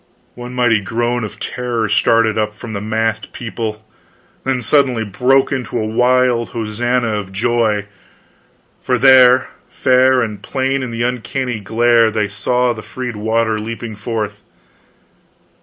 One mighty groan of terror started up from the massed people then suddenly broke into a wild hosannah of joy for there, fair and plain in the uncanny glare, they saw the freed water leaping forth!